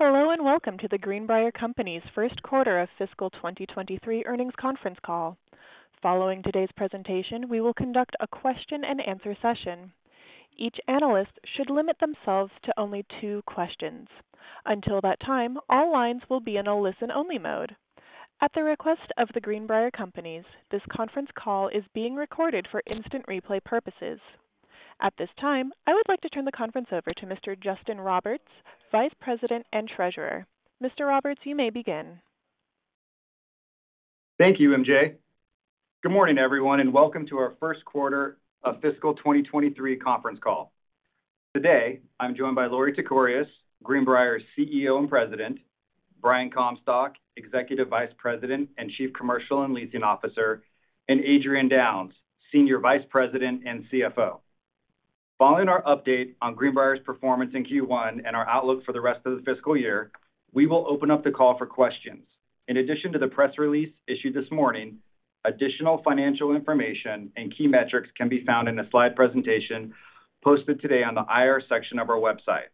Hello, welcome to The Greenbrier Companies' Q1 of fiscal 2023 earnings conference call. Following today's presentation, we will conduct a question and answer session. Each analyst should limit themselves to only 2 questions. Until that time, all lines will be in a listen-only mode. At the request of The Greenbrier Companies, this conference call is being recorded for instant replay purposes. At this time, I would like to turn the conference over to Mr. Justin Roberts, Vice President and Treasurer. Mr. Roberts, you may begin. Thank you, MJ. Good morning, everyone, and welcome to our Q1 of fiscal 2023 conference call. Today, I'm joined by Lorie Tekorius, Greenbrier's CEO and President, Brian Comstock, Executive Vice President and Chief Commercial and Leasing Officer, and Adrian Downes, Senior Vice President and CFO. Following our update on Greenbrier's performance in Q1 and our outlook for the rest of the fiscal year, we will open up the call for questions. In addition to the press release issued this morning, additional financial information and key metrics can be found in the slide presentation posted today on the IR section of our website.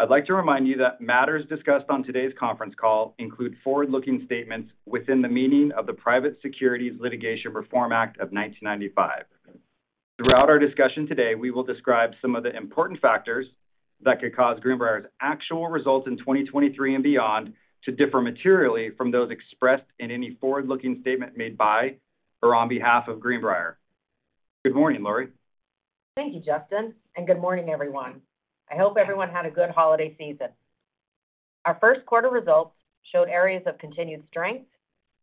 I'd like to remind you that matters discussed on today's conference call include forward-looking statements within the meaning of the Private Securities Litigation Reform Act of 1995. Throughout our discussion today, we will describe some of the important factors that could cause Greenbrier's actual results in 2023 and beyond to differ materially from those expressed in any forward-looking statement made by or on behalf of Greenbrier. Good morning, Lorie. Thank you, Justin, and good morning, everyone. I hope everyone had a good holiday season. Our Q1 results showed areas of continued strength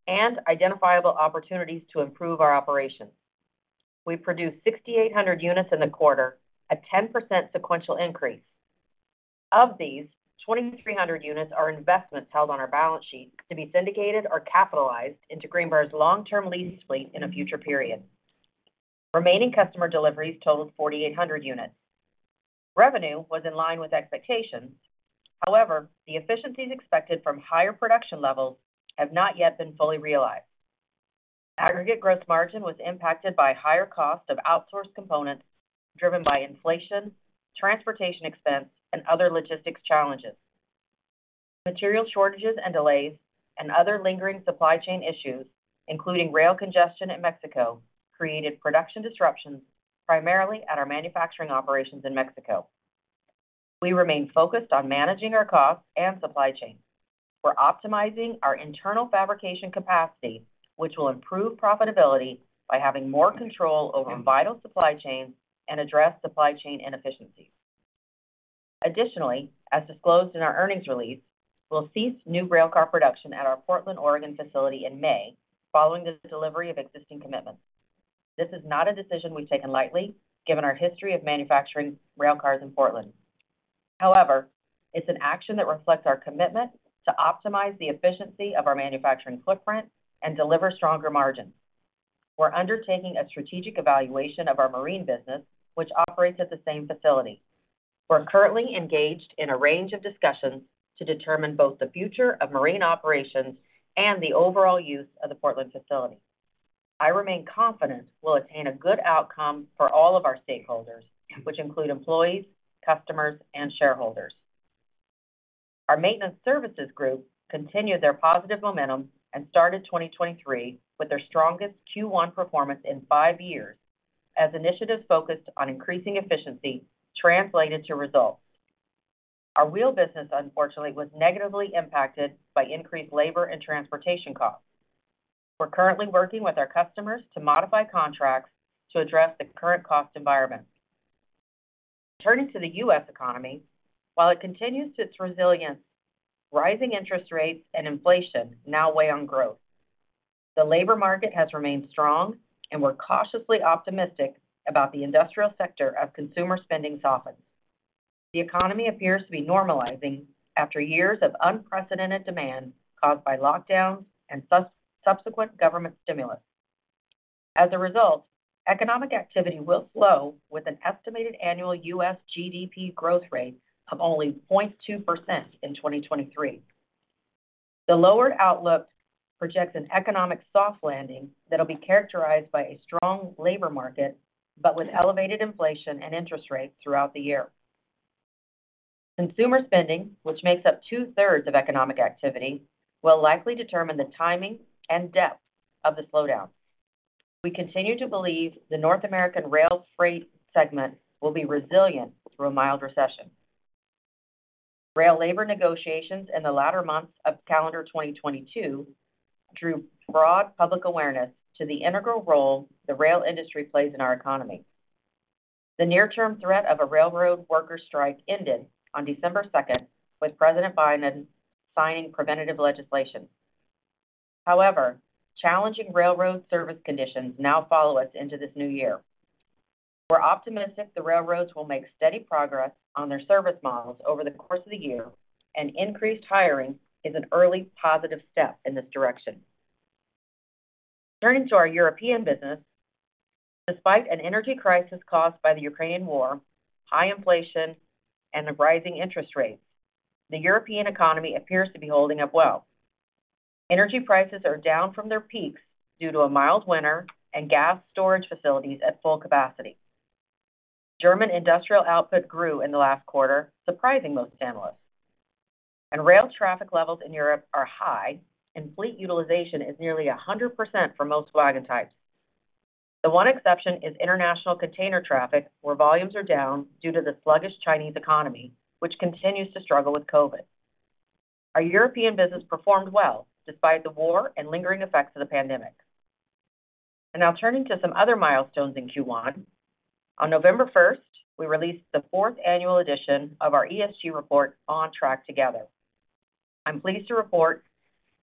and identifiable opportunities to improve our operations. We produced 6,800 units in the quarter, a 10% sequential increase. Of these, 2,300 units are investments held on our balance sheet to be syndicated or capitalized into Greenbrier's long-term lease fleet in a future period. Remaining customer deliveries totaled 4,800 units. Revenue was in line with expectations. The efficiencies expected from higher production levels have not yet been fully realized. Aggregate gross margin was impacted by higher costs of outsourced components driven by inflation, transportation expense, and other logistics challenges. Material shortages and delays and other lingering supply chain issues, including rail congestion in Mexico, created production disruptions primarily at our manufacturing operations in Mexico. We remain focused on managing our costs and supply chain. We're optimizing our internal fabrication capacity, which will improve profitability by having more control over vital supply chains and address supply chain inefficiencies. Additionally, as disclosed in our earnings release, we'll cease new railcar production at our Portland, Oregon facility in May following the delivery of existing commitments. This is not a decision we've taken lightly, given our history of manufacturing railcars in Portland. However, it's an action that reflects our commitment to optimize the efficiency of our manufacturing footprint and deliver stronger margins. We're undertaking a strategic evaluation of our marine business, which operates at the same facility. We're currently engaged in a range of discussions to determine both the future of marine operations and the overall use of the Portland facility. I remain confident we'll attain a good outcome for all of our stakeholders, which include employees, customers, and shareholders. Our maintenance services group continued their positive momentum and started 2023 with their strongest Q1 performance in five years as initiatives focused on increasing efficiency translated to results. Our wheel business, unfortunately, was negatively impacted by increased labor and transportation costs. We're currently working with our customers to modify contracts to address the current cost environment. Turning to the U.S. economy, while it continues its resilience, rising interest rates and inflation now weigh on growth. The labor market has remained strong and we're cautiously optimistic about the industrial sector of consumer spending softens. The economy appears to be normalizing after years of unprecedented demand caused by lockdowns and subsequent government stimulus. Economic activity will slow with an estimated annual US GDP growth rate of only 0.2% in 2023. The lower outlook projects an economic soft landing that'll be characterized by a strong labor market, but with elevated inflation and interest rates throughout the year. Consumer spending, which makes up two-thirds of economic activity, will likely determine the timing and depth of the slowdown. We continue to believe the North American rail freight segment will be resilient through a mild recession. Rail labor negotiations in the latter months of calendar 2022 drew broad public awareness to the integral role the rail industry plays in our economy. The near-term threat of a railroad worker strike ended on December 2nd with President Biden signing preventative legislation. Challenging railroad service conditions now follow us into this new year. We're optimistic the railroads will make steady progress on their service models over the course of the year, and increased hiring is an early positive step in this direction. Turning to our European business. Despite an energy crisis caused by the Ukrainian war, high inflation, and the rising interest rates, the European economy appears to be holding up well. Energy prices are down from their peaks due to a mild winter and gas storage facilities at full capacity. German industrial output grew in the last quarter, surprising most analysts. Rail traffic levels in Europe are high, and fleet utilization is nearly 100% for most wagon types. The one exception is international container traffic, where volumes are down due to the sluggish Chinese economy, which continues to struggle with COVID. Our European business performed well despite the war and lingering effects of the pandemic. Now turning to some other milestones in Q1. On November 1st, we released the 4th annual edition of our ESG report On Track Together. I'm pleased to report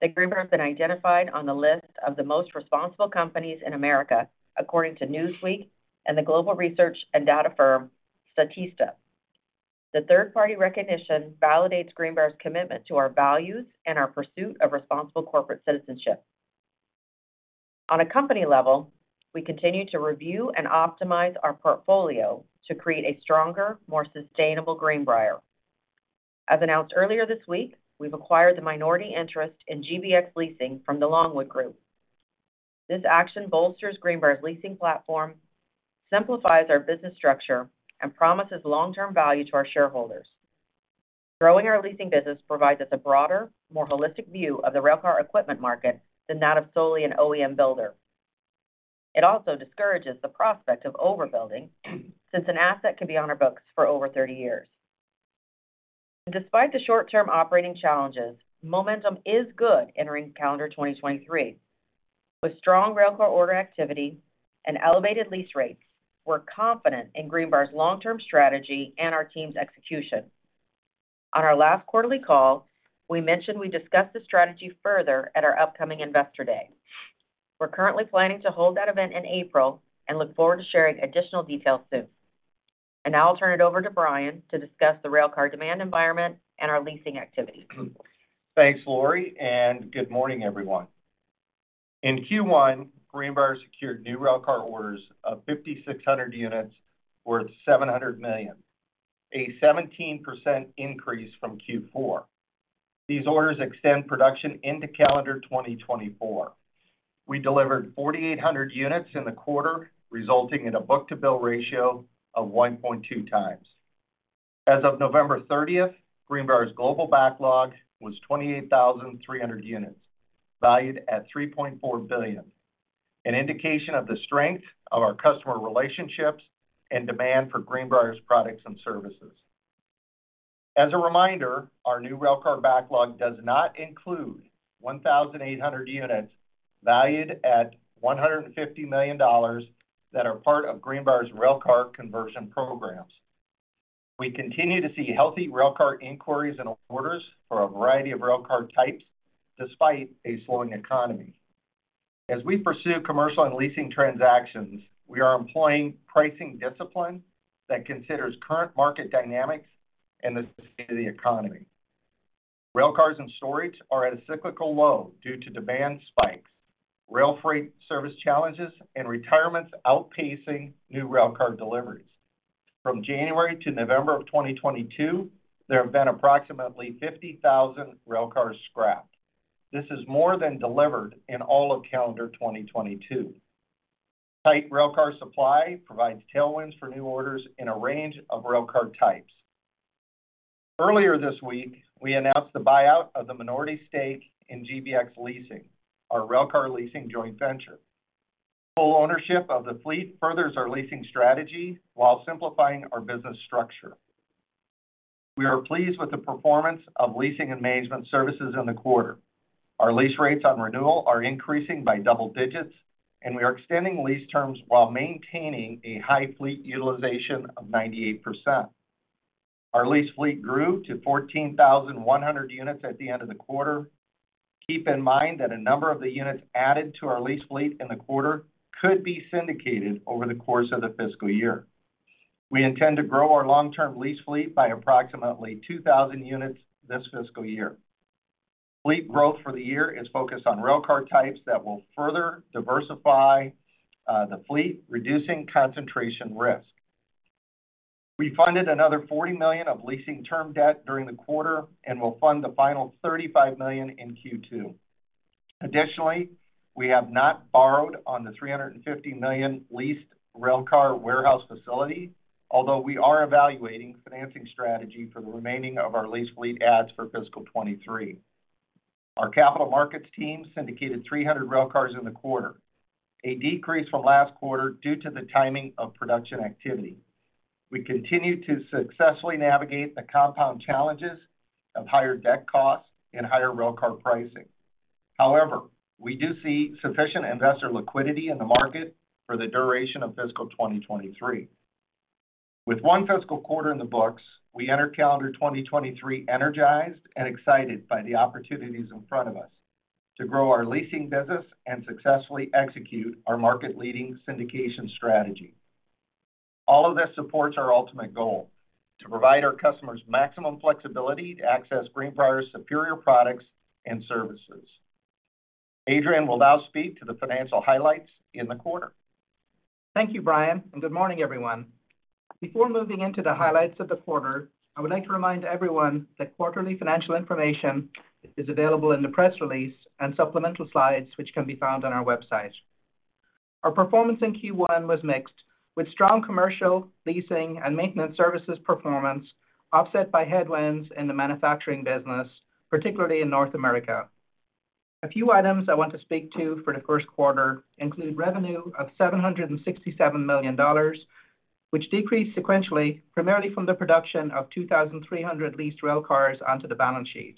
that Greenbrier has been identified on the list of the most responsible companies in America, according to Newsweek and the global research and data firm Statista. The third-party recognition validates Greenbrier's commitment to our values and our pursuit of responsible corporate citizenship. On a company level, we continue to review and optimize our portfolio to create a stronger, more sustainable Greenbrier. As announced earlier this week, we've acquired the minority interest in GBX Leasing from The Longwood Group. This action bolsters Greenbrier's leasing platform, simplifies our business structure, and promises long-term value to our shareholders. Growing our leasing business provides us a broader, more holistic view of the railcar equipment market than that of solely an OEM builder. It also discourages the prospect of overbuilding since an asset can be on our books for over 30 years. Despite the short-term operating challenges, momentum is good entering calendar 2023. With strong railcar order activity and elevated lease rates, we're confident in Greenbrier's long-term strategy and our team's execution. On our last quarterly call, we mentioned we discussed the strategy further at our upcoming Investor Day. We're currently planning to hold that event in April and look forward to sharing additional details soon. Now I'll turn it over to Brian to discuss the railcar demand environment and our leasing activity. Thanks, Lorie, and good morning, everyone. In Q1, Greenbrier secured new railcar orders of 5,600 units worth $700 million, a 17% increase from Q4. These orders extend production into calendar 2024. We delivered 4,800 units in the quarter, resulting in a book-to-bill ratio of 1.2 times. As of November 30th, Greenbrier's global backlog was 28,300 units valued at $3.4 billion, an indication of the strength of our customer relationships and demand for Greenbrier's products and services. As a reminder, our new railcar backlog does not include 1,800 units valued at $150 million that are part of Greenbrier's railcar conversion programs. We continue to see healthy railcar inquiries and orders for a variety of railcar types despite a slowing economy. As we pursue commercial and leasing transactions, we are employing pricing discipline that considers current market dynamics and the state of the economy. Railcars and storage are at a cyclical low due to demand spikes, rail freight service challenges, and retirements outpacing new railcar deliveries. From January to November of 2022, there have been approximately 50,000 railcars scrapped. This is more than delivered in all of calendar 2022. Tight railcar supply provides tailwinds for new orders in a range of railcar types. Earlier this week, we announced the buyout of the minority stake in GBX Leasing, our railcar leasing joint venture. Full ownership of the fleet furthers our leasing strategy while simplifying our business structure. We are pleased with the performance of leasing and management services in the quarter. Our lease rates on renewal are increasing by double digits, and we are extending lease terms while maintaining a high fleet utilization of 98%. Our lease fleet grew to 14,100 units at the end of the quarter. Keep in mind that a number of the units added to our lease fleet in the quarter could be syndicated over the course of the fiscal year. We intend to grow our long-term lease fleet by approximately 2,000 units this fiscal year. Fleet growth for the year is focused on railcar types that will further diversify the fleet, reducing concentration risk. We funded another $40 million of leasing term debt during the quarter and will fund the final $35 million in Q2. Additionally, we have not borrowed on the $350 million leased railcar warehouse facility, although we are evaluating financing strategy for the remaining of our lease fleet adds for fiscal 2023. Our capital markets team syndicated 300 railcars in the quarter, a decrease from last quarter due to the timing of production activity. We do see sufficient investor liquidity in the market for the duration of fiscal 2023. With one fiscal quarter in the books, we enter calendar 2023 energized and excited by the opportunities in front of us to grow our leasing business and successfully execute our market-leading syndication strategy. All of this supports our ultimate goal, to provide our customers maximum flexibility to access Greenbrier's superior products and services. Adrian will now speak to the financial highlights in the quarter. Thank you, Brian, good morning, everyone. Before moving into the highlights of the quarter, I would like to remind everyone that quarterly financial information is available in the press release and supplemental slides, which can be found on our website. Our performance in Q1 was mixed, with strong commercial, leasing, and maintenance services performance offset by headwinds in the manufacturing business, particularly in North America. A few items I want to speak to for the Q1 include revenue of $767 million, which decreased sequentially, primarily from the production of 2,300 leased railcars onto the balance sheet.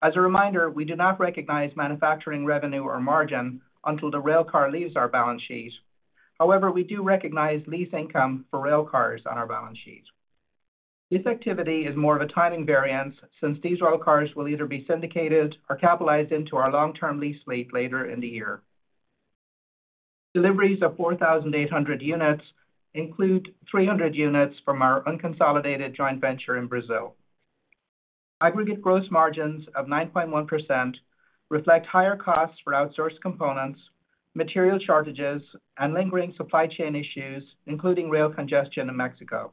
As a reminder, we do not recognize manufacturing revenue or margin until the railcar leaves our balance sheet. However, we do recognize lease income for railcars on our balance sheet. This activity is more of a timing variance since these railcars will either be syndicated or capitalized into our long-term lease fleet later in the year. Deliveries of 4,800 units include 300 units from our unconsolidated joint venture in Brazil. Aggregate gross margins of 9.1% reflect higher costs for outsourced components, material shortages, and lingering supply chain issues, including rail congestion in Mexico.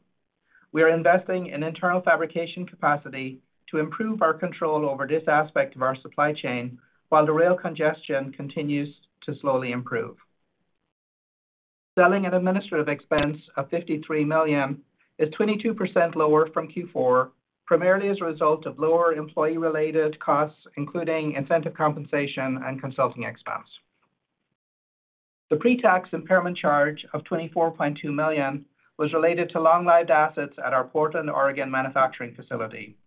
We are investing in internal fabrication capacity to improve our control over this aspect of our supply chain, while the rail congestion continues to slowly improve. Selling and administrative expense of $53 million is 22% lower from Q4, primarily as a result of lower employee-related costs, including incentive compensation and consulting expense. The pre-tax impairment charge of $24.2 million was related to long-lived assets at our Portland, Oregon, manufacturing facility.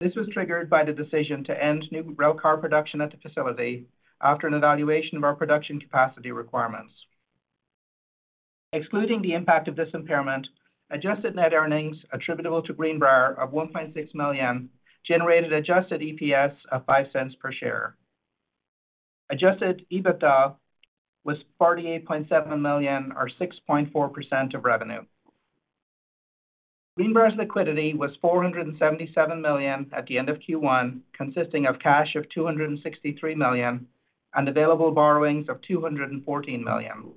This was triggered by the decision to end new railcar production at the facility after an evaluation of our production capacity requirements. Excluding the impact of this impairment, adjusted net earnings attributable to Greenbrier of $1.6 million generated adjusted EPS of $0.05 per share. Adjusted EBITDA was $48.7 million or 6.4% of revenue. Greenbrier's liquidity was $477 million at the end of Q1, consisting of cash of $263 million and available borrowings of $214 million.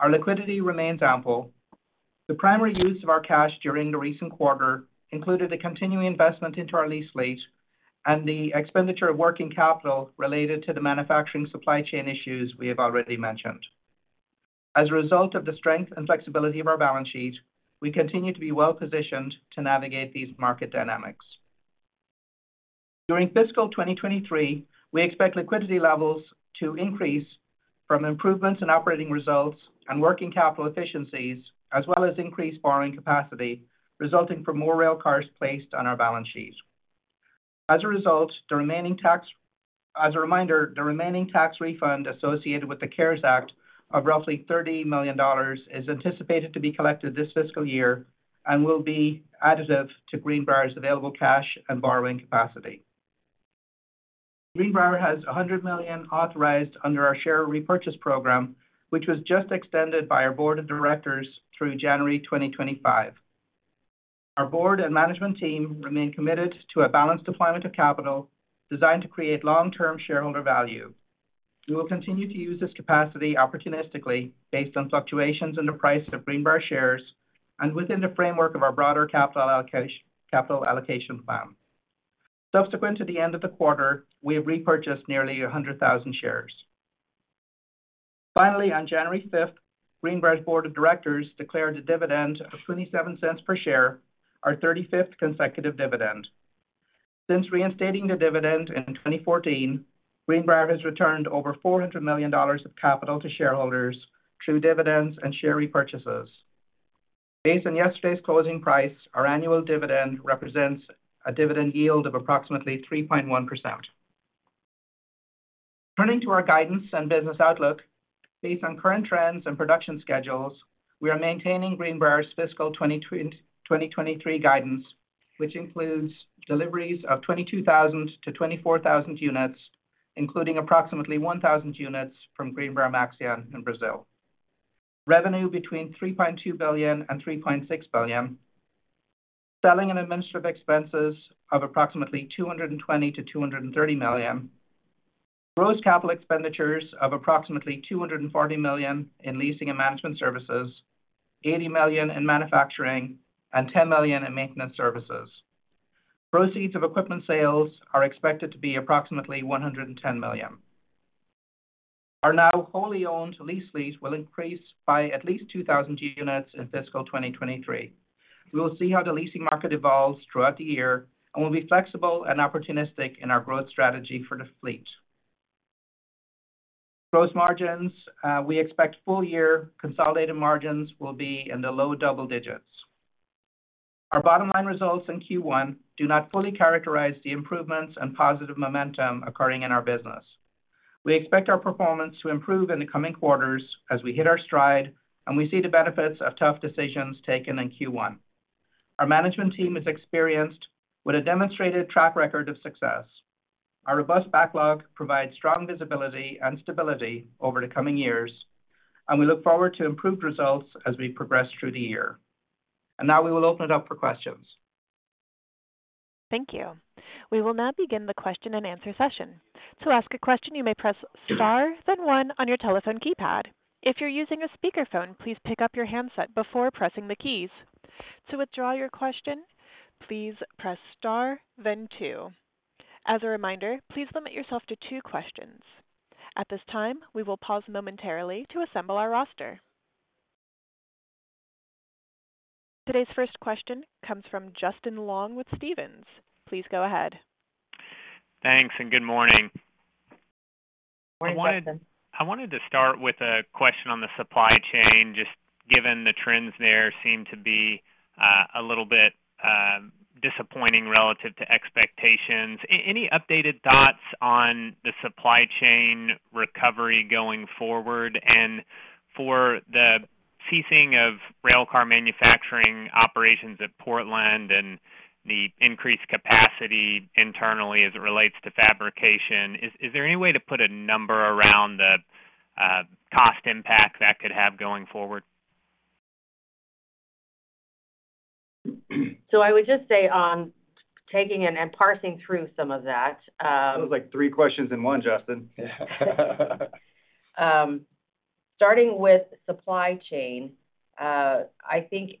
Our liquidity remains ample. The primary use of our cash during the recent quarter included a continuing investment into our lease fleet and the expenditure of working capital related to the manufacturing supply chain issues we have already mentioned. As a result of the strength and flexibility of our balance sheet, we continue to be well-positioned to navigate these market dynamics. During fiscal 2023, we expect liquidity levels to increase from improvements in operating results and working capital efficiencies, as well as increased borrowing capacity, resulting from more railcars placed on our balance sheet. As a reminder, the remaining tax refund associated with the CARES Act of roughly $30 million is anticipated to be collected this fiscal year and will be additive to Greenbrier's available cash and borrowing capacity. Greenbrier has $100 million authorized under our share repurchase program, which was just extended by our board of directors through January 2025. Our board and management team remain committed to a balanced deployment of capital designed to create long-term shareholder value. We will continue to use this capacity opportunistically based on fluctuations in the price of Greenbrier shares and within the framework of our broader capital allocation plan. Subsequent to the end of the quarter, we have repurchased nearly 100,000 shares. On January 5th, Greenbrier's board of directors declared a dividend of $0.27 per share, our 35th consecutive dividend. Since reinstating the dividend in 2014, Greenbrier has returned over $400 million of capital to shareholders through dividends and share repurchases. Based on yesterday's closing price, our annual dividend represents a dividend yield of approximately 3.1%. Turning to our guidance and business outlook, based on current trends and production schedules, we are maintaining Greenbrier's fiscal 2023 guidance, which includes deliveries of 22,000-24,000 units, including approximately 1,000 units from Greenbrier-Maxion in Brazil. Revenue between $3.2 billion and $3.6 billion. Selling and administrative expenses of approximately $220 million to $230 million. Gross capital expenditures of approximately $240 million in leasing and management services, $80 million in manufacturing, and $10 million in maintenance services. Proceeds of equipment sales are expected to be approximately $110 million. Our now wholly-owned lease fleet will increase by at least 2,000 units in fiscal 2023. We will see how the leasing market evolves throughout the year and will be flexible and opportunistic in our growth strategy for the fleet. Gross margins, we expect full year consolidated margins will be in the low double digits. Our bottom line results in Q1 do not fully characterize the improvements and positive momentum occurring in our business. We expect our performance to improve in the coming quarters as we hit our stride and we see the benefits of tough decisions taken in Q1. Our management team is experienced with a demonstrated track record of success. Our robust backlog provides strong visibility and stability over the coming years, and we look forward to improved results as we progress through the year. Now we will open it up for questions. Thank you. We will now begin the question-and-answer session. To ask a question, you may press Star, then One on your telephone keypad. If you're using a speakerphone, please pick up your handset before pressing the keys. To withdraw your question, please press Star then Two. As a reminder, please limit yourself to two questions. At this time, we will pause momentarily to assemble our roster. Today's first question comes from Justin Long with Stephens. Please go ahead. Thanks, and good morning. Morning, Justin. I wanted to start with a question on the supply chain, just given the trends there seem to be a little bit disappointing relative to expectations. Any updated thoughts on the supply chain recovery going forward? For the ceasing of railcar manufacturing operations at Portland and the increased capacity internally as it relates to fabrication, is there any way to put a number around the cost impact that could have going forward? I would just say on taking in and parsing through some of that. That was like 3 questions in one, Justin. Starting with supply chain, I think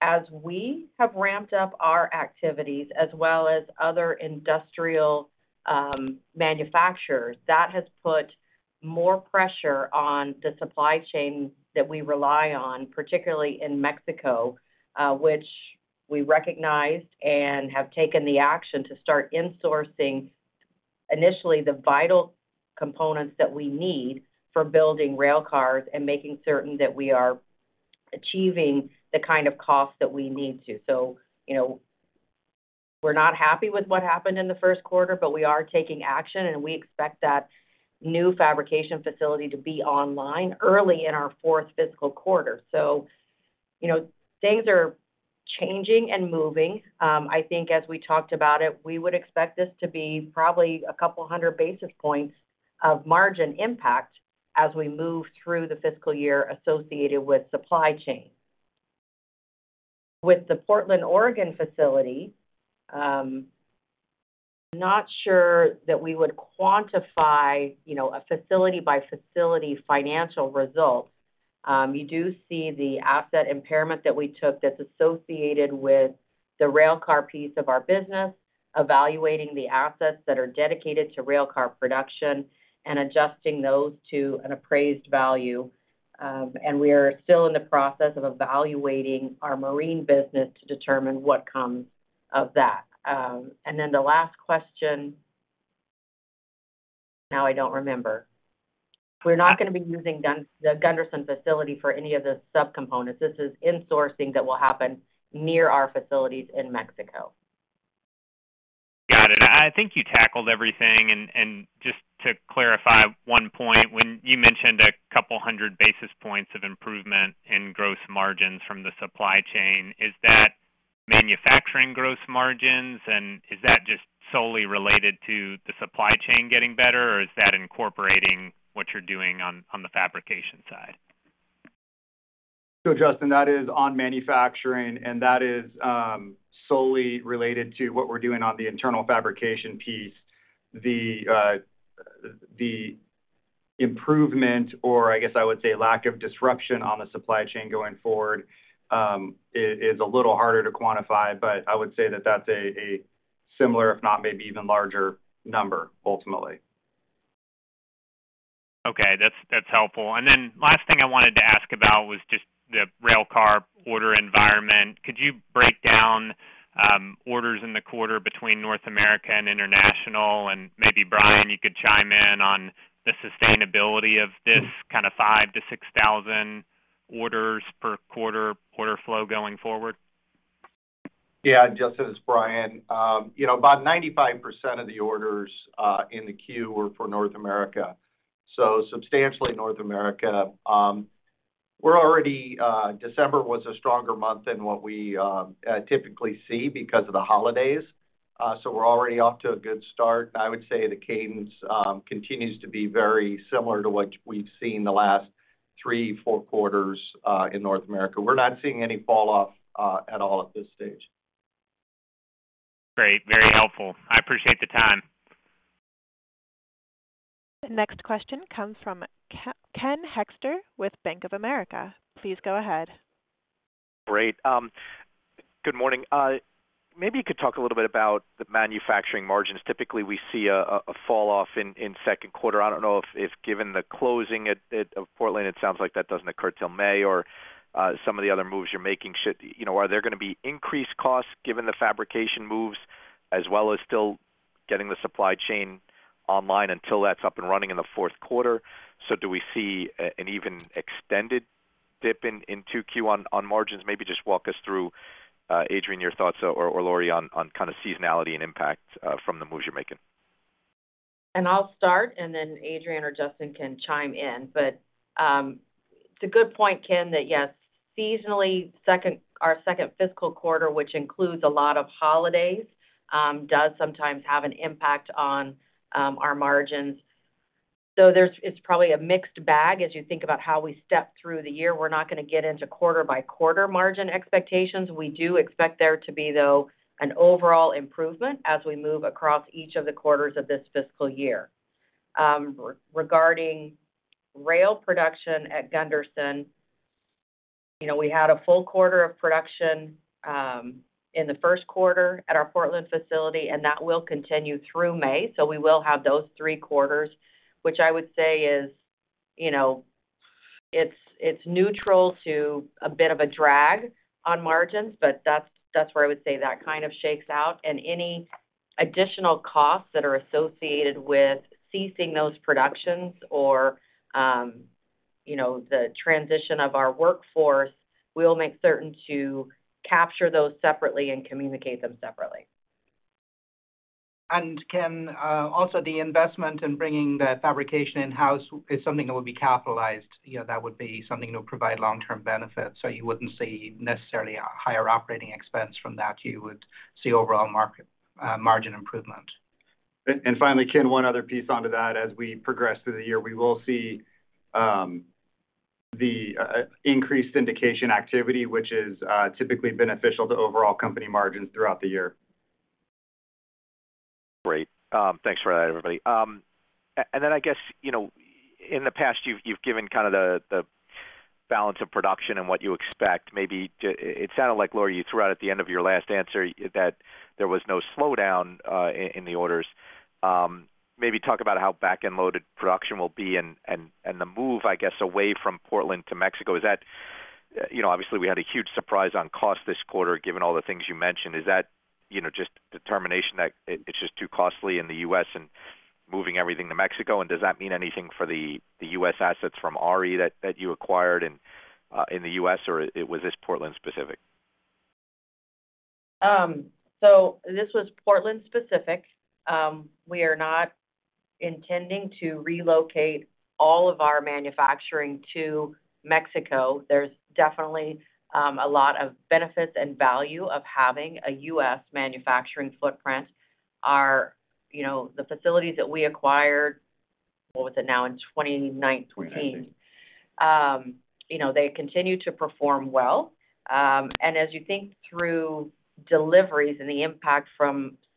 as we have ramped up our activities as well as other industrial manufacturers, that has put more pressure on the supply chain that we rely on, particularly in Mexico, which we recognized and have taken the action to start insourcing initially the vital components that we need for building railcars and making certain that we are achieving the kind of cost that we need to. You know, we're not happy with what happened in the 1st quarter, but we are taking action and we expect that new fabrication facility to be online early in our 4th fiscal quarter. You know, things are changing and moving. I think as we talked about it, we would expect this to be probably a couple hundred basis points of margin impact as we move through the fiscal year associated with supply chain. With the Portland, Oregon facility, not sure that we would quantify, you know, a facility-by-facility financial result. You do see the asset impairment that we took that's associated with the railcar piece of our business, evaluating the assets that are dedicated to railcar production and adjusting those to an appraised value. We are still in the process of evaluating our marine business to determine what comes of that. Then the last question, now I don't remember. We're not gonna be using the Gunderson facility for any of the subcomponents. This is insourcing that will happen near our facilities in Mexico. Got it. I think you tackled everything. Just to clarify one point, when you mentioned a couple hundred basis points of improvement in gross margins from the supply chain, is that manufacturing gross margins? Is that just solely related to the supply chain getting better, or is that incorporating what you're doing on the fabrication side? Justin, that is on manufacturing, and that is solely related to what we're doing on the internal fabrication piece. The improvement, or I guess I would say lack of disruption on the supply chain going forward, is a little harder to quantify, but I would say that that's a similar, if not maybe even larger number ultimately. Okay, that's helpful. Last thing I wanted to ask about was just the railcar order environment. Could you break down orders in the quarter between North America and international? Maybe, Brian, you could chime in on the sustainability of this kind of 5,000-6,000 orders per quarter flow going forward. Yeah, Justin, it's Brian. You know, about 95% of the orders in the queue were for North America, substantially North America. December was a stronger month than what we typically see because of the holidays, we're already off to a good start. I would say the cadence continues to be very similar to what we've seen the last three, four quarters in North America. We're not seeing any fall off at all at this stage. Great. Very helpful. I appreciate the time. Next question comes from Ken Hoexter with Bank of America. Please go ahead. Great. Good morning. Maybe you could talk a little bit about the manufacturing margins. Typically, we see a fall off in Q2. I don't know if given the closing at Portland, it sounds like that doesn't occur till May or some of the other moves you're making should. You know, are there gonna be increased costs given the fabrication moves, as well as still getting the supply chain online until that's up and running in the 4Q? Do we see an even extended dip in 2Q on margins? Maybe just walk us through, Adrian, your thoughts, or Lori on kind of seasonality and impact from the moves you're making. I'll start, and then Adrian or Justin can chime in. It's a good point, Ken, that yes, seasonally 2nd, our 2nd fiscal quarter, which includes a lot of holidays, does sometimes have an impact on our margins. So it's probably a mixed bag as you think about how we step through the year. We're not gonna get into quarter by quarter margin expectations. We do expect there to be, though, an overall improvement as we move across each of the quarters of this fiscal year. Regarding rail production at Gunderson, you know, we had a full quarter of production in the 1st quarter at our Portland facility, and that will continue through May. We will have those three quarters, which I would say is, you know, it's neutral to a bit of a drag on margins, but that's where I would say that kind of shakes out. Any additional costs that are associated with ceasing those productions or, you know, the transition of our workforce, we will make certain to capture those separately and communicate them separately. Can also the investment in bringing the fabrication in-house is something that would be capitalized. You know, that would be something to provide long-term benefits. You wouldn't see necessarily a higher operating expense from that. You would see overall margin improvement. Finally, Ken, one other piece onto that. As we progress through the year, we will see the increased syndication activity, which is typically beneficial to overall company margins throughout the year. Great. Thanks for that, everybody. And then I guess, you know, in the past, you've given kind of the balance of production and what you expect. Maybe it sounded like, Lorie, you threw out at the end of your last answer that there was no slowdown in the orders. Maybe talk about how back-end loaded production will be and the move, I guess, away from Portland to Mexico. Is that. You know, obviously, we had a huge surprise on cost this quarter given all the things you mentioned. Is that, you know, just determination that it's just too costly in the U.S. and moving everything to Mexico? Does that mean anything for the U.S. assets from ARI that you acquired in the U.S., or was this Portland specific? This was Portland specific. We are not intending to relocate all of our manufacturing to Mexico. There's definitely a lot of benefits and value of having a U.S. manufacturing footprint. Our, you know, the facilities that we acquired, what was it now, in 2019. You know, they continue to perform well. As you think through deliveries and the impact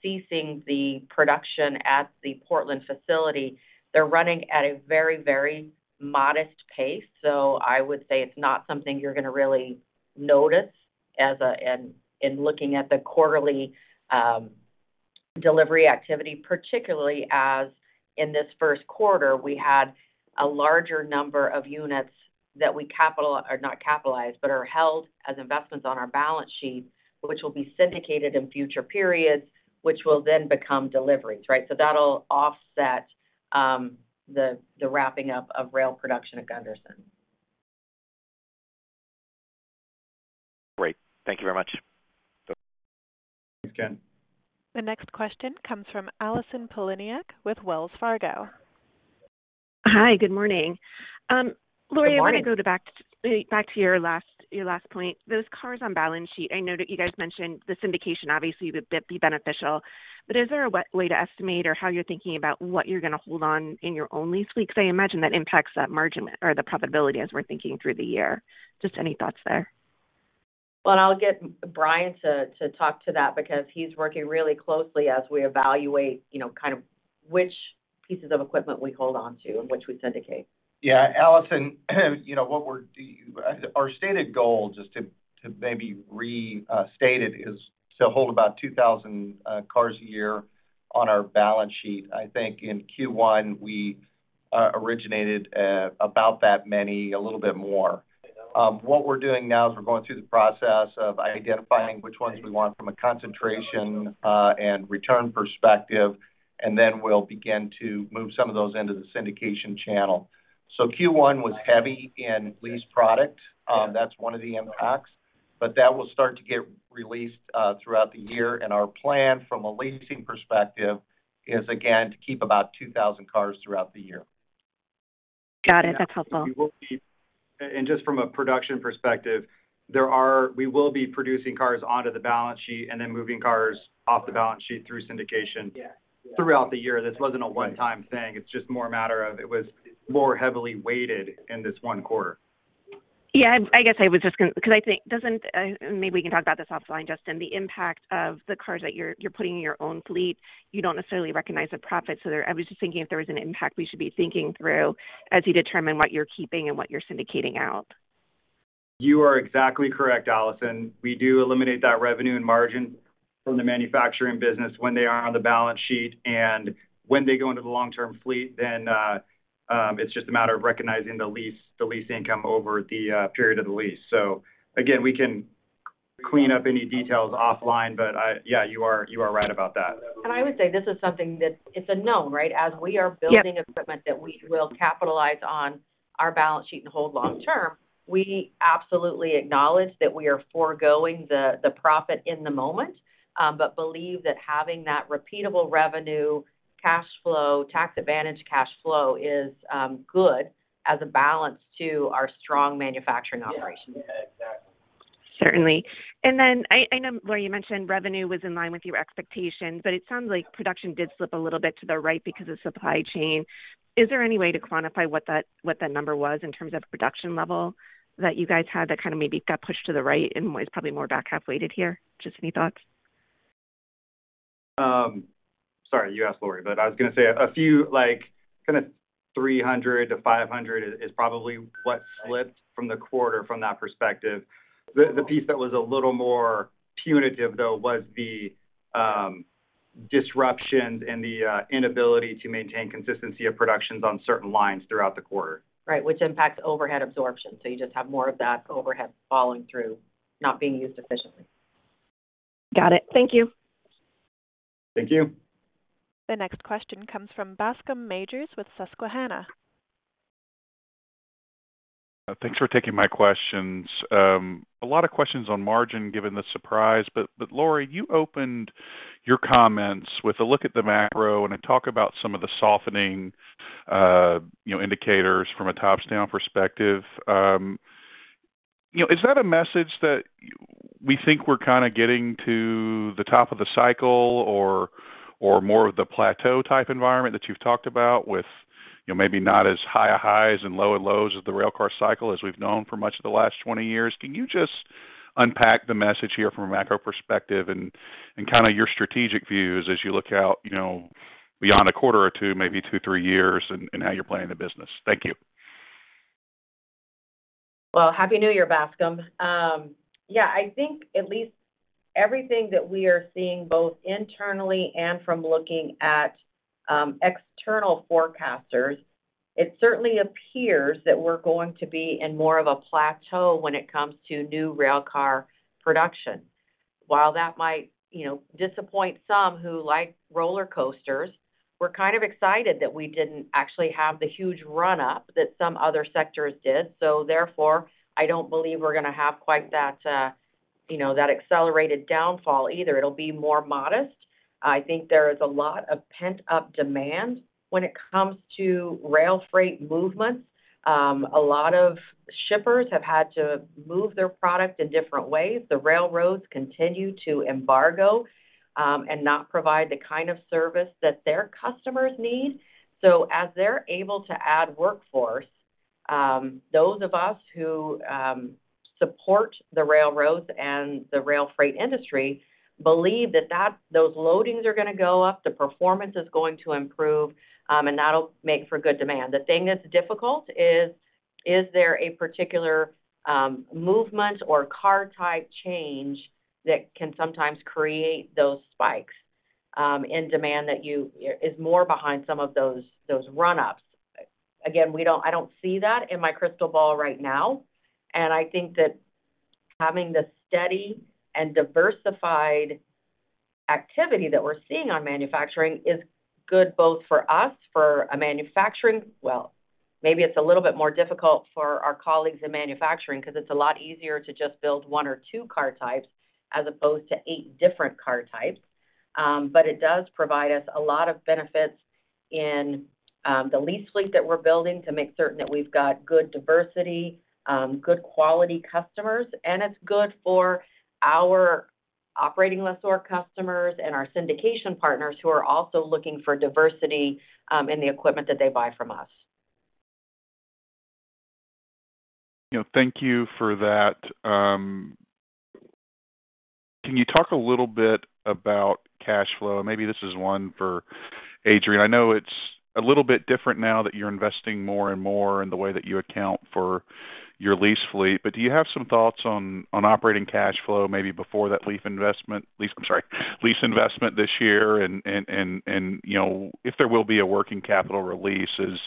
from ceasing the production at the Portland facility, they're running at a very modest pace. I would say it's not something you're gonna really notice as in looking at the quarterly delivery activity, particularly as in this Q1, we had a larger number of units that we or not capitalize, but are held as investments on our balance sheet, which will be syndicated in future periods, which will then become deliveries, right? That'll offset, the wrapping up of rail production at Gunderson. Great. Thank you very much. Thanks, Ken. The next question comes from Allison Poliniak-Cusic with Wells Fargo. Hi, good morning. Good morning. Lorie Tekorius, I wanna go back to your last point, those cars on balance sheet. I know that you guys mentioned the syndication obviously would be beneficial, but is there a way to estimate or how you're thinking about what you're gonna hold on in your own lease fleet? Because I imagine that impacts that margin or the profitability as we're thinking through the year. Just any thoughts there? Well, I'll get Brian to talk to that because he's working really closely as we evaluate, you know, kind of which pieces of equipment we hold onto and which we syndicate. Yeah, Allison, you know, Our stated goal, just to restate it, is to hold about 2,000 cars a year on our balance sheet. I think in Q1, we originated about that many, a little bit more. What we're doing now is we're going through the process of identifying which ones we want from a concentration and return perspective, and then we'll begin to move some of those into the syndication channel. Q1 was heavy in lease product. That's one of the impacts. That will start to get released throughout the year. Our plan from a leasing perspective is, again, to keep about 2,000 cars throughout the year. Got it. That's helpful. Just from a production perspective, we will be producing cars onto the balance sheet and then moving cars off the balance sheet through syndication throughout the year. This wasn't a one-time thing. It's just more a matter of it was more heavily weighted in this one quarter. Yeah, I guess I was just gonna. I think doesn't, maybe we can talk about this offline, Justin. The impact of the cars that you're putting in your own fleet, you don't necessarily recognize a profit. I was just thinking if there was an impact we should be thinking through as you determine what you're keeping and what you're syndicating out. You are exactly correct, Allison. We do eliminate that revenue and margin from the manufacturing business when they are on the balance sheet. When they go into the long-term fleet, then it's just a matter of recognizing the lease income over the period of the lease. Again, we can clean up any details offline, but yeah, you are right about that. I would say this is something that it's a known, right? As we are building equipment that we will capitalize on our balance sheet and hold long term, we absolutely acknowledge that we are foregoing the profit in the moment, but believe that having that repeatable revenue, cash flow, tax advantage cash flow is good as a balance to our strong manufacturing operations. Certainly. I know Lori, you mentioned revenue was in line with your expectations, but it sounds like production did slip a little bit to the right because of supply chain. Is there any way to quantify what that number was in terms of production level that you guys had that kind of maybe got pushed to the right and was probably more back half-weighted here? Just any thoughts? Sorry, you asked Lorie Tekorius, I was gonna say a few, $300-$500 is probably what slipped from the quarter from that perspective. The piece that was a little more punitive though was the disruptions and the inability to maintain consistency of productions on certain lines throughout the quarter. Which impacts overhead absorption, so you just have more of that overhead falling through, not being used efficiently. Got it. Thank you. Thank you. The next question comes from Bascome Majors with Susquehanna. Thanks for taking my questions. A lot of questions on margin given the surprise, but Lorie, you opened your comments with a look at the macro and a talk about some of the softening, you know, indicators from a top-down perspective. You know, is that a message that we think we're kinda getting to the top of the cycle or more of the plateau type environment that you've talked about with, you know, maybe not as high of highs and low of lows as the railcar cycle as we've known for much of the last 20 years? Can you just unpack the message here from a macro perspective and kinda your strategic views as you look out, you know, beyond a quarter or 2, maybe 2-3 years and how you're playing the business? Thank you. Well, Happy New Year, Bascom. Yeah, I think at least everything that we are seeing both internally and from looking at external forecasters, it certainly appears that we're going to be in more of a plateau when it comes to new railcar production. While that might, you know, disappoint some who like roller coasters, we're kind of excited that we didn't actually have the huge run-up that some other sectors did. Therefore, I don't believe we're gonna have quite that, you know, that accelerated downfall either. It'll be more modest. I think there is a lot of pent-up demand when it comes to rail freight movements. A lot of shippers have had to move their product in different ways. The railroads continue to embargo and not provide the kind of service that their customers need. As they're able to add workforce, those of us who support the railroads and the rail freight industry believe those loadings are gonna go up, the performance is going to improve, and that'll make for good demand. The thing that's difficult is there a particular movement or car type change that can sometimes create those spikes, in demand that you, is more behind some of those run-ups. Again I don't see that in my crystal ball right now, and I think that having the steady and diversified activity that we're seeing on manufacturing is good both for us. Well, maybe it's a little bit more difficult for our colleagues in manufacturing 'cause it's a lot easier to just build one or two car types as opposed to eight different car types. It does provide us a lot of benefits in the lease fleet that we're building to make certain that we've got good diversity, good quality customers, and it's good for our operating lessor customers and our syndication partners who are also looking for diversity in the equipment that they buy from us. You know, thank you for that. Can you talk a little bit about cash flow? Maybe this is one for Adrian. I know it's a little bit different now that you're investing more and more in the way that you account for your lease fleet, but do you have some thoughts on operating cash flow maybe before that lease investment this year and, you know, if there will be a working capital release as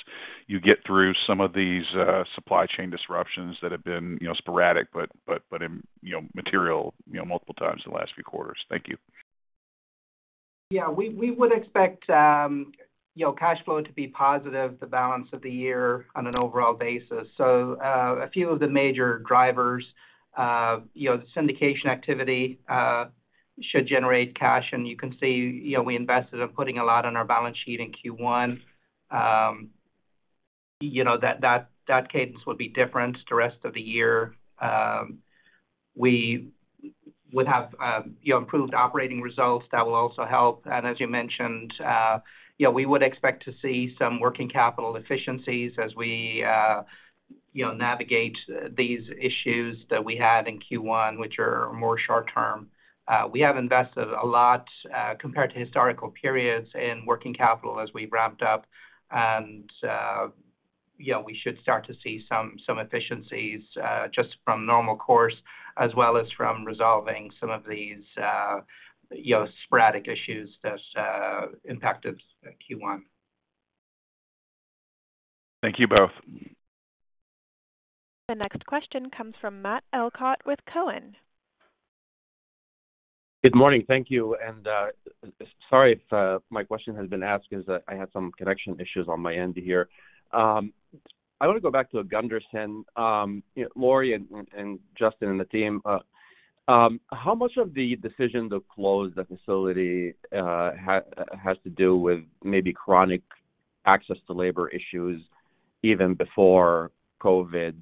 you get through some of these supply chain disruptions that have been, you know, sporadic but in, you know, material, you know, multiple times in the last few quarters. Thank you. Yeah. We would expect, you know, cash flow to be positive the balance of the year on an overall basis. A few of the major drivers, you know, the syndication activity, should generate cash, and you can see, you know, we invested in putting a lot on our balance sheet in Q1. You know, that cadence would be different the rest of the year. We would have, you know, improved operating results that will also help. As you mentioned, you know, we would expect to see some working capital efficiencies as we, you know, navigate these issues that we had in Q1, which are more short-term. We have invested a lot, compared to historical periods in working capital as we've ramped up. You know, we should start to see some efficiencies just from normal course as well as from resolving some of these, you know, sporadic issues that impacted Q1. Thank you both. The next question comes from Matt Elkott with Cowen. Good morning. Thank you. Sorry if my question has been asked as I had some connection issues on my end here. I wanna go back to Gunderson. You know, Lorie and Justin and the team, how much of the decision to close the facility has to do with maybe chronic access to labor issues? Even before COVID.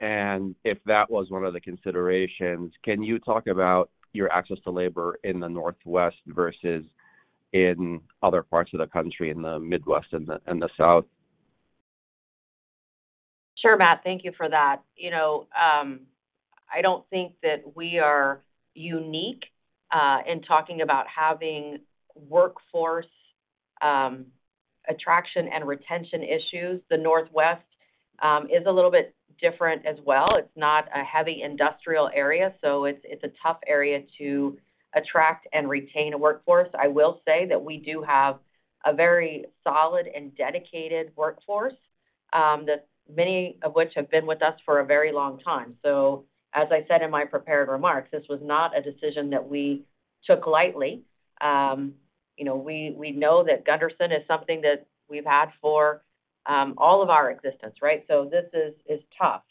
If that was one of the considerations, can you talk about your access to labor in the Northwest versus in other parts of the country, in the Midwest and the, and the South? Sure, Matt. Thank you for that. You know, I don't think that we are unique in talking about having workforce attraction and retention issues. The Northwest is a little bit different as well. It's not a heavy industrial area, so it's a tough area to attract and retain a workforce. I will say that we do have a very solid and dedicated workforce that many of which have been with us for a very long time. As I said in my prepared remarks, this was not a decision that we took lightly. You know, we know that Gunderson is something that we've had for all of our existence, right? This is tough.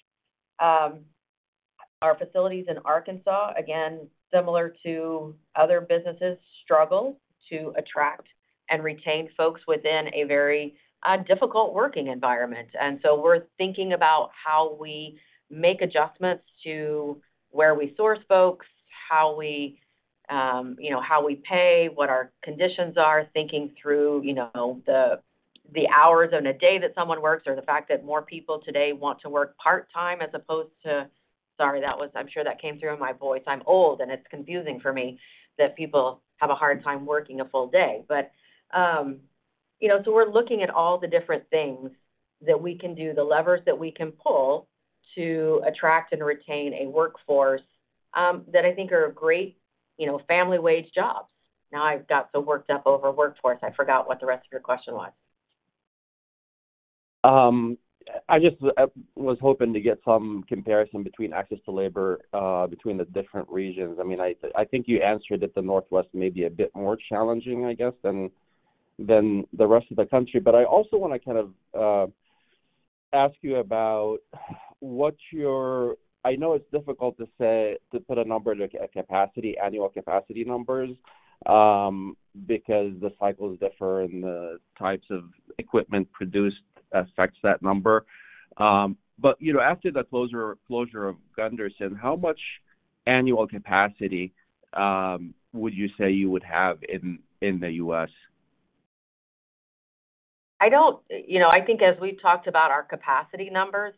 Our facilities in Arkansas, again, similar to other businesses, struggle to attract and retain folks within a very difficult working environment. We're thinking about how we make adjustments to where we source folks, how we, you know, how we pay, what our conditions are, thinking through, you know, the hours in a day that someone works or the fact that more people today want to work part-time as opposed to. Sorry, that was. I'm sure that came through in my voice. I'm old, and it's confusing for me that people have a hard time working a full day. We're looking at all the different things that we can do, the levers that we can pull to attract and retain a workforce that I think are great, you know, family wage jobs. I've got so worked up over workforce, I forgot what the rest of your question was. I just was hoping to get some comparison between access to labor, between the different regions. I mean, I think you answered that the Northwest may be a bit more challenging, I guess, than the rest of the country. I also wanna kind of ask you about, I know it's difficult to say, to put a number, like, a capacity, annual capacity numbers, because the cycles differ and the types of equipment produced affects that number. You know, after the closure of Gunderson, how much annual capacity would you say you would have in the US? You know, I think as we've talked about our capacity numbers,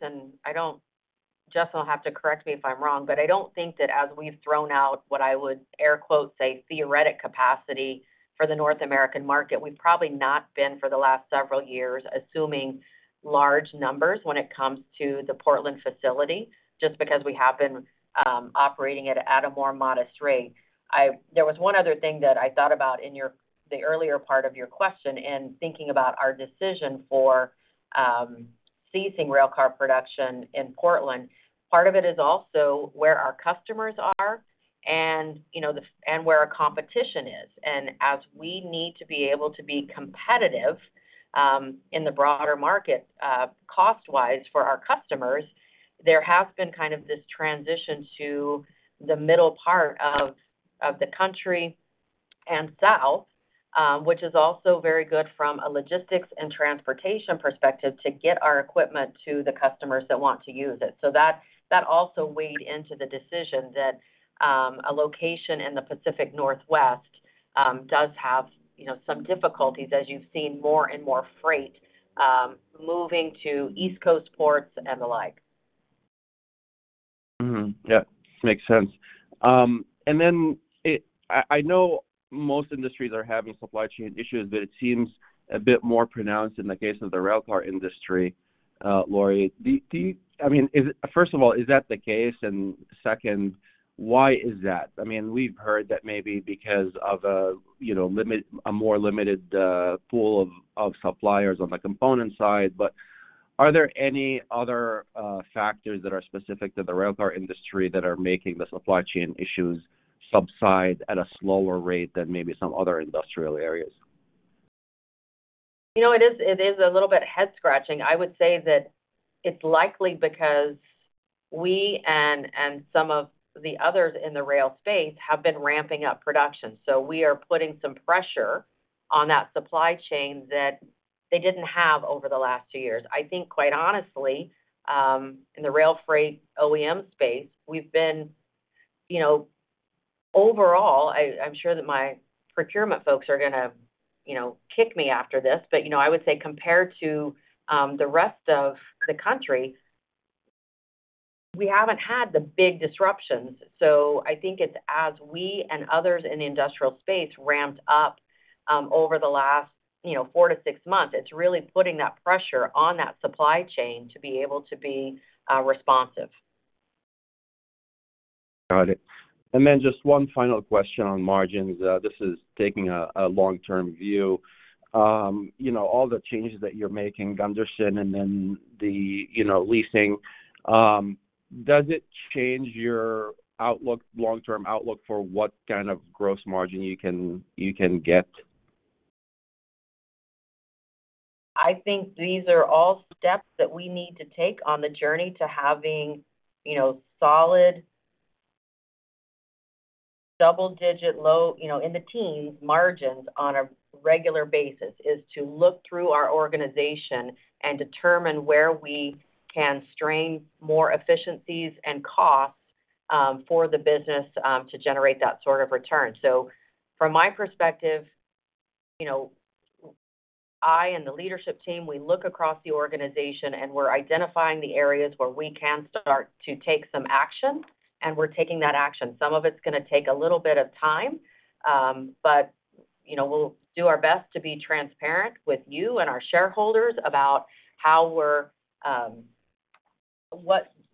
Jess will have to correct me if I'm wrong, but I don't think that as we've thrown out what I would air quote, say, theoretic capacity for the North American market, we've probably not been for the last several years assuming large numbers when it comes to the Portland facility, just because we have been operating it at a more modest rate. There was one other thing that I thought about in your the earlier part of your question in thinking about our decision for ceasing railcar production in Portland. Part of it is also where our customers are and, you know, and where our competition is. As we need to be able to be competitive in the broader market, cost-wise for our customers, there has been kind of this transition to the middle part of the country and south, which is also very good from a logistics and transportation perspective to get our equipment to the customers that want to use it. That also weighed into the decision that a location in the Pacific Northwest does have, you know, some difficulties as you've seen more and more freight moving to East Coast ports and the like. Mm-hmm. Yeah. Makes sense. I know most industries are having supply chain issues, but it seems a bit more pronounced in the case of the railcar industry, Lorie. Do you, I mean, is it First of all, is that the case? Second, why is that? I mean, we've heard that maybe because of a, you know, a more limited pool of suppliers on the component side. Are there any other factors that are specific to the railcar industry that are making the supply chain issues subside at a slower rate than maybe some other industrial areas? You know, it is a little bit head-scratching. I would say that it's likely because we and some of the others in the rail space have been ramping up production. We are putting some pressure on that supply chain that they didn't have over the last 2 years. I think quite honestly, in the rail freight OEM space, we've been, you know. Overall, I'm sure that my procurement folks are gonna, you know, kick me after this, but, you know, I would say compared to the rest of the country, we haven't had the big disruptions. I think it's as we and others in the industrial space ramped up over the last, you know, 4-6 months, it's really putting that pressure on that supply chain to be able to be responsive. Got it. Then just one final question on margins. This is taking a long-term view. You know, all the changes that you're making, Gunderson and then the, you know, leasing, does it change your outlook, long-term outlook for what kind of gross margin you can get? I think these are all steps that we need to take on the journey to having, you know, solid double-digit low, you know, in the teens margins on a regular basis is to look through our organization and determine where we can strain more efficiencies and costs for the business to generate that sort of return. From my perspective, you know, I and the leadership team, we look across the organization, and we're identifying the areas where we can start to take some action, and we're taking that action. Some of it's gonna take a little bit of time. You know, we'll do our best to be transparent with you and our shareholders about how we're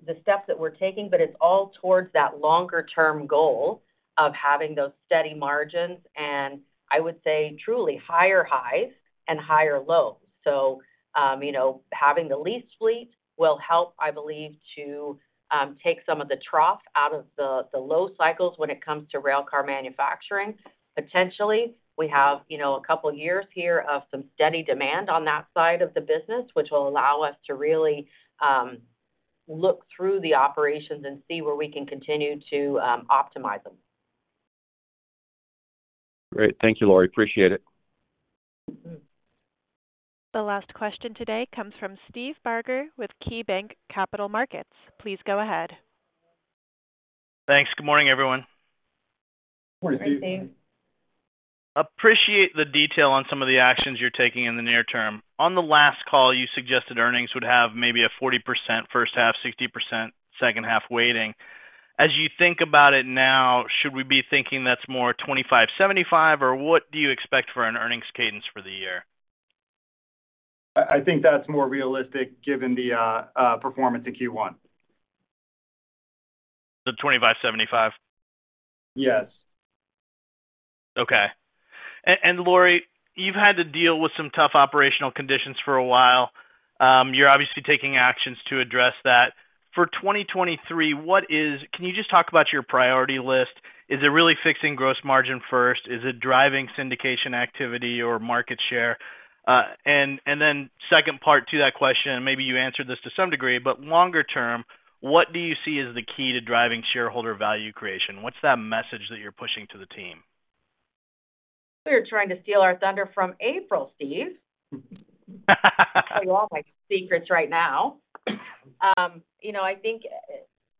the steps that we're taking, but it's all towards that longer term goal of having those steady margins and I would say truly higher highs and higher lows. You know, having the lease fleet will help, I believe, to take some of the trough out of the low cycles when it comes to railcar manufacturing. Potentially, we have, you know, a couple years here of some steady demand on that side of the business, which will allow us to really look through the operations and see where we can continue to optimize them. Great. Thank you, Lorie. Appreciate it. The last question today comes from Steve Barger with KeyBanc Capital Markets. Please go ahead. Thanks. Good morning, everyone. Good morning, Steve. Morning, Steve. Appreciate the detail on some of the actions you're taking in the near term. On the last call, you suggested earnings would have maybe a 40% first half, 60% second half waiting. As you think about it now, should we be thinking that's more 25, 75, or what do you expect for an earnings cadence for the year? I think that's more realistic given the performance in Q1. The 25, 75? Yes. Okay. Lorie, you've had to deal with some tough operational conditions for a while. You're obviously taking actions to address that. For 2023, Can you just talk about your priority list? Is it really fixing gross margin first? Is it driving syndication activity or market share? Then second part to that question, maybe you answered this to some degree, but longer term, what do you see as the key to driving shareholder value creation? What's that message that you're pushing to the team? You're trying to steal our thunder from April, Steve. Tell you all my secrets right now. You know, I think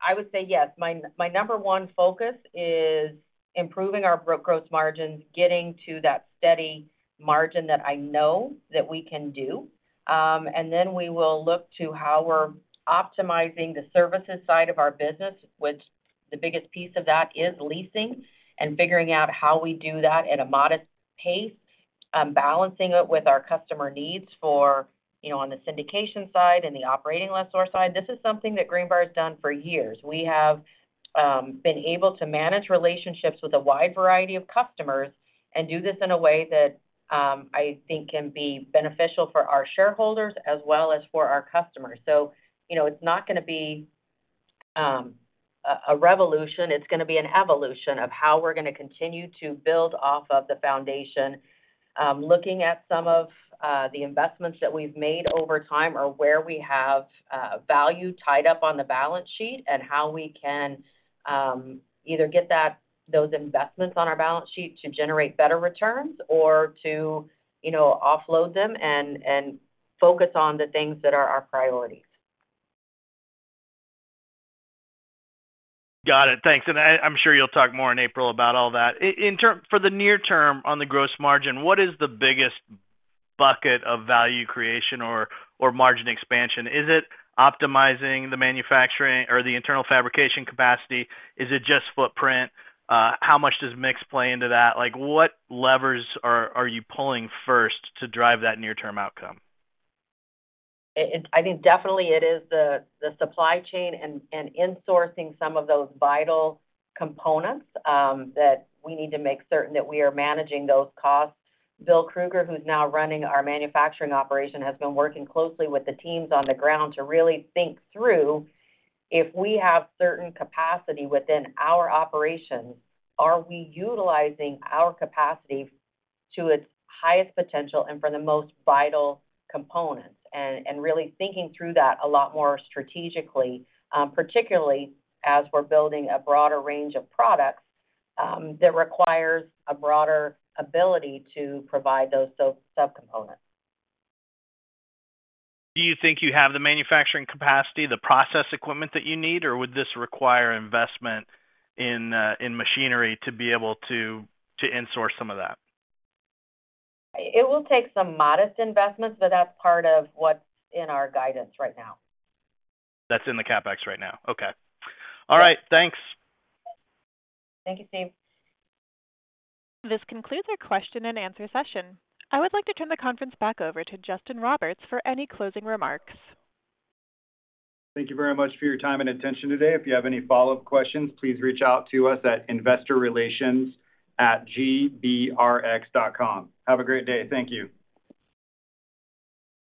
I would say yes. My number one focus is improving our gross margins, getting to that steady margin that I know that we can do. We will look to how we're optimizing the services side of our business, which the biggest piece of that is leasing and figuring out how we do that at a modest pace, balancing it with our customer needs for, you know, on the syndication side and the operating lessor side. This is something that Greenbrier's done for years. We have been able to manage relationships with a wide variety of customers and do this in a way that, I think can be beneficial for our shareholders as well as for our customers. You know, it's not gonna be a revolution. It's gonna be an evolution of how we're gonna continue to build off of the foundation. Looking at some of the investments that we've made over time or where we have value tied up on the balance sheet and how we can either get those investments on our balance sheet to generate better returns or to, you know, offload them and focus on the things that are our priorities. Got it. Thanks. I'm sure you'll talk more in April about all that. For the near term on the gross margin, what is the biggest bucket of value creation or margin expansion? Is it optimizing the manufacturing or the internal fabrication capacity? Is it just footprint? How much does mix play into that? Like, what levers are you pulling first to drive that near-term outcome? I think definitely it is the supply chain and insourcing some of those vital components that we need to make certain that we are managing those costs. William Krueger, who's now running our manufacturing operation, has been working closely with the teams on the ground to really think through if we have certain capacity within our operations, are we utilizing our capacity to its highest potential and for the most vital components? Really thinking through that a lot more strategically, particularly as we're building a broader range of products that requires a broader ability to provide those sub-subcomponents. Do you think you have the manufacturing capacity, the process equipment that you need, or would this require investment in machinery to be able to in-source some of that? It will take some modest investments, but that's part of what's in our guidance right now. That's in the CapEx right now. Okay. All right. Thanks. Thank you, Steve. This concludes our question and answer session. I would like to turn the conference back over to Justin Roberts for any closing remarks. Thank you very much for your time and attention today. If you have any follow-up questions, please reach out to us at investorrelations@gbrx.com. Have a great day. Thank you.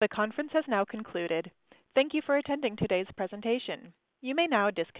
The conference has now concluded. Thank you for attending today's presentation. You may now.